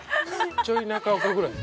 ◆ちょい中岡ぐらい。